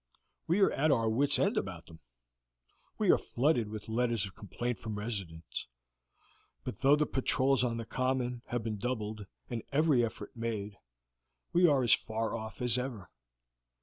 We are at our wits' end about them. We are flooded with letters of complaint from residents; but though the patrols on the common have been doubled and every effort made, we are as far off as ever.